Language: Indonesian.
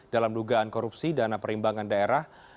dalam dugaan korupsi dana perimbangan daerah